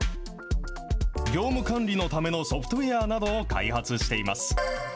業務管理のためのソフトウエアなどを開発しています。